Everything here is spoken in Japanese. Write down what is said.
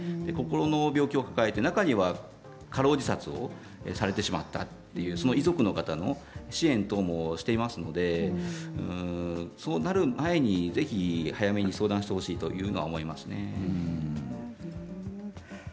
心の病気を抱えて、中には過労自殺をされてしまったというその遺族の方の支援もしていますのでそうなる前にぜひ早めに相談してほしいというふうに思いますね。